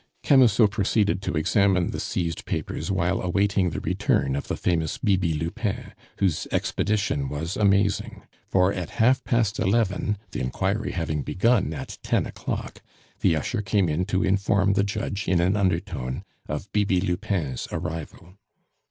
Camusot proceeded to examine the seized papers while awaiting the return of the famous Bibi Lupin, whose expedition was amazing; for at half past eleven, the inquiry having begun at ten o'clock, the usher came in to inform the judge in an undertone of Bibi Lupin's arrival.